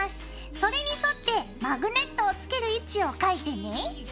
それに沿ってマグネットを付ける位置を描いてね。